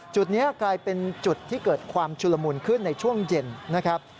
จุดนี้กลายเป็นจุดที่เกิดความชุลมุนขึ้นในช่วงเย็นนะครับ